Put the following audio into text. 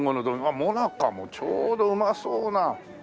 最中もちょうどうまそうな。